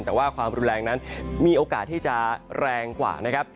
แต่ว่าความรุนแรงนั้นมีโอกาสที่จะแรงกว่านะครับ